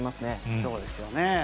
そうですよね。